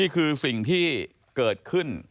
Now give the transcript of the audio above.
นี่คือสิ่งที่เกิดขึ้น